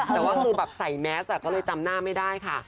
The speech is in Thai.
แต่ว่าคือแบบใส่แมสก็เลยจำหน้าไม่ได้ค่ะ